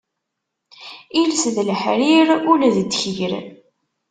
Iles d leḥrir ul d ddkir.